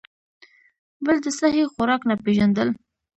بل د سهي خوراک نۀ پېژندل ،